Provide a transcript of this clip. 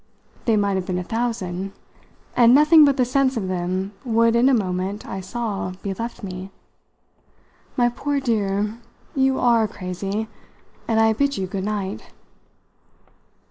They might have been a thousand, and nothing but the sense of them would in a moment, I saw, be left me. "My poor dear, you are crazy, and I bid you good night!"